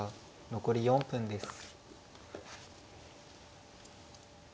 残り４分です。